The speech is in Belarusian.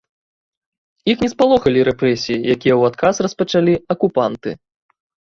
Іх не спалохалі рэпрэсіі, якія ў адказ распачалі акупанты.